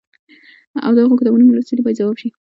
او د هغوی کتابونه مو لوستي دي باید ځواب شي.